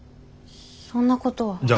そんなことは。